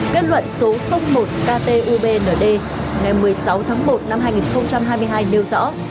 kết luận số một ktubnd ngày một mươi sáu tháng một năm hai nghìn hai mươi hai nêu rõ